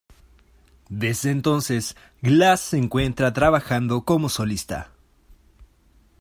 Desde entonces, Glass se encuentra trabajando como solista.